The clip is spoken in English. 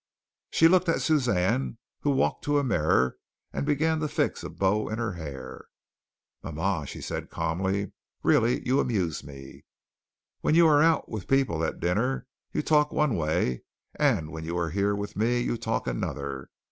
She looked at Suzanne who walked to a mirror and began to fix a bow in her hair. "Mama," she said calmly. "Really, you amuse me. When you are out with people at dinner, you talk one way, and when you are here with me, you talk another.